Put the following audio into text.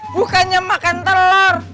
bukannya makan telor